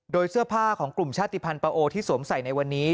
โดยเสื้อผ้าของกลุ่มชาติภัณฑ์ปะโอที่สวมใส่ในวันนี้